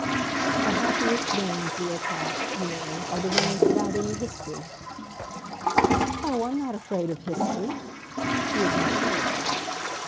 "The happiest reigns, we are taught, you know, are the reigns without any history." "Oh, I'm not afraid of history!" She had been sure of that.